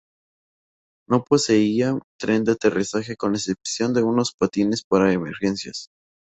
No poseía tren de aterrizaje, con excepción de unos patines para emergencias.